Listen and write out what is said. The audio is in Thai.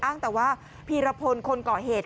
อ้างแต่ว่าพีรพลคนก่อเหตุ